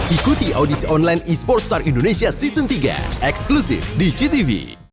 ikuti audisi online e sports star indonesia season tiga eksklusif di ctv